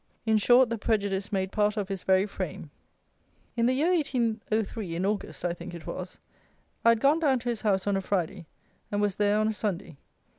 In short, the prejudice made part of his very frame. In the year 1803, in August, I think it was, I had gone down to his house on a Friday, and was there on a Sunday.